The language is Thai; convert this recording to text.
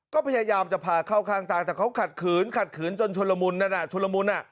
ก็พยายามจะพาเข้าข้างทางแต่เขาขัดขืนขัดขืนจนชนละมุนนั่นอ่ะชุลมุน